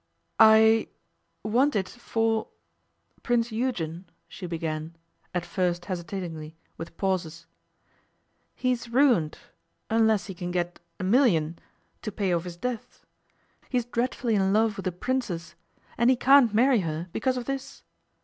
'I want it for Prince Eugen,' she began, at first hesitatingly, with pauses. 'He's ruined unless he can get a million to pay off his debts. He's dreadfully in love with a Princess, and he can't marry her because of this.